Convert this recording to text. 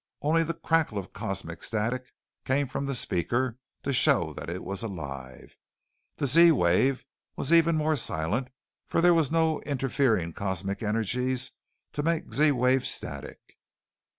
Only the crackle of cosmic static came from the speaker to show that it was alive. The Z wave was even more silent for there was no interfering cosmic energies to make Z wave static.